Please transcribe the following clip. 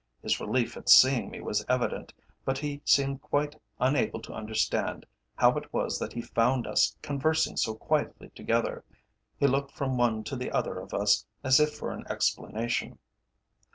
His relief at seeing me was evident, but he seemed unable to understand how it was that he found us conversing so quietly together. He looked from one to the other of us as if for an explanation.